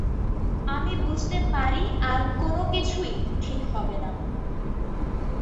আমি বুঝতে পারি আর কোনো কিছুই ঠিক হবে না।